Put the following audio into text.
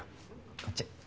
こっち。